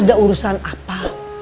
ada urusan apa